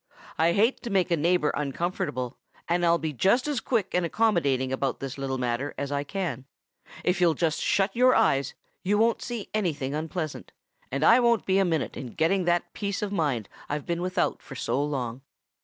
I hate to make a neighbor uncomfortable, and I'll be just as quick and accommodating about this little matter as I can. If you'll just shut your eyes, you won't see anything unpleasant, and I won't be a minute in getting that peace of mind I've been without so long.